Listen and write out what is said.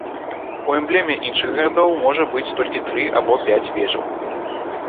У эмблеме іншых гарадоў можа быць толькі тры або пяць вежаў.